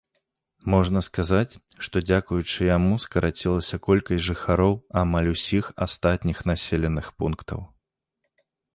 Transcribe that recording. Можна сказаць, што дзякуючы яму скарацілася колькасць жыхароў амаль усіх астатніх населеных пунктаў.